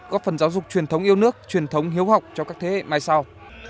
góp phần giáo dục truyền thống yêu nước truyền thống hiếu học cho các thế hệ mai sau